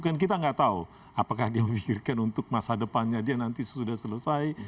kan kita nggak tahu apakah dia memikirkan untuk masa depannya dia nanti sudah selesai